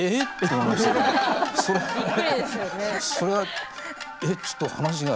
それはえっちょっと話が。